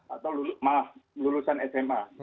atau lulusan sma